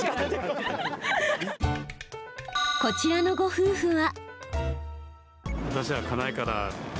こちらのご夫婦は。